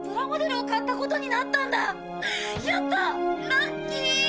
ラッキー！